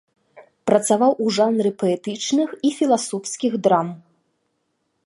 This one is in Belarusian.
Працаваў у жанры паэтычных і філасофскіх драм.